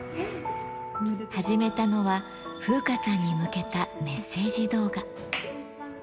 始めたのは、風花さんに向けたメッセージ動画。